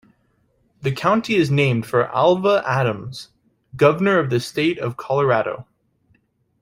The county is named for Alva Adams, Governor of the State of Colorado.